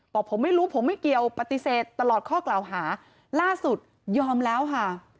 บอกผมไม่รู้ผมไม่เกี่ยวปฏิเสธตลอดข้อกล่าวหาล่าสุดยอมแล้วค่ะ